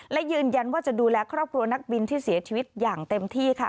และยืนยันว่าจะดูแลครอบครัวนักบินที่เสียชีวิตอย่างเต็มที่ค่ะ